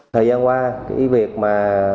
thời gian qua cái việc mà